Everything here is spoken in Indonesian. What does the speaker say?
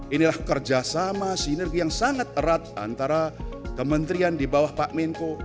inilah kerjasama sinergi yang sangat erat antara kementerian di bawah pak menko